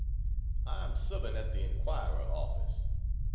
I am subbing at the Inquirer office.